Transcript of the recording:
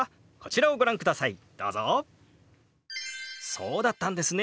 そうだったんですね。